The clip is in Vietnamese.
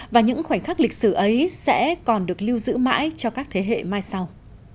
và những khoảnh khắc lịch sử ấy sẽ còn được lưu giữ mãi cho các thế hệ mai sau